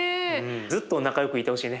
ずっと仲よくいてほしいね